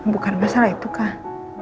bukan masalah itu kak